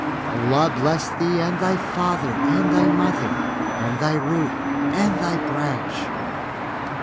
Allah bless thee and thy father and thy mother and thy root and thy branch!